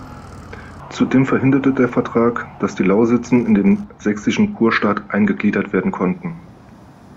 Zudem verhinderte der Vertrag, dass die Lausitzen in den sächsischen Kurstaat eingegliedert werden konnten.